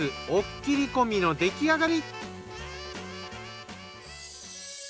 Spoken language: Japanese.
おっきりこみの出来上がり。